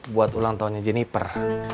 buat ulang tahunnya jennifer